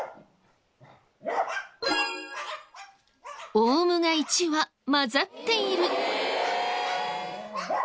オウムが１羽交ざっている。